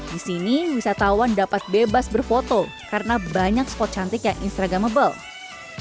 di sini wisatawan dapat bebas berfoto karena banyak spot cantik yang instagramable